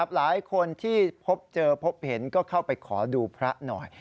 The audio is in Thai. หลายคนที่พบเจอพบเห็นก็เข้าไปขอดูพระหน่อย